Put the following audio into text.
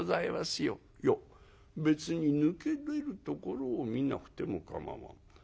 「いや別に抜け出るところを見なくても構わん。